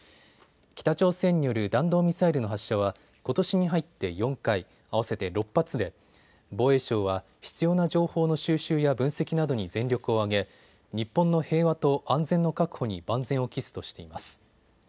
北朝鮮による弾道ミサイルの発射はことしに入って４回、合わせて６発で防衛省は必要な情報の収集や分析などに全力を挙げ日本の平和と安全の確保に万全を期すとしています。